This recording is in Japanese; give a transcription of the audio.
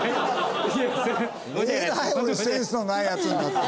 俺センスのないヤツになってる。